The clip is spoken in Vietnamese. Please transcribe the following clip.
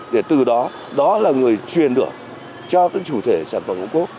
để từ đó đó là người truyền được cho cái chủ thể sản phẩm ocob